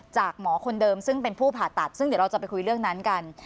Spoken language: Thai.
หมอคนเดิมซึ่งเป็นผู้ผ่าตัดซึ่งเดี๋ยวเราจะไปคุยเรื่องนั้นกัน